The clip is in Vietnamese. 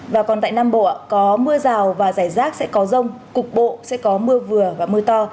và còn tại nam bộ có mưa rào và rải rác sẽ có rông cục bộ sẽ có mưa vừa và mưa to